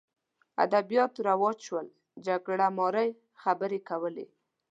ادبیات رواج شول جګړه مارۍ خبرې کولې